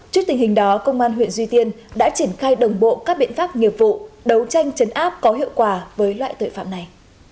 trước tình hình đó công an huyện duy tiên đã triển khai đồng bộ các biện pháp nghiệp vụ đấu tranh chấn áp có hiệu quả với loại tội phạm này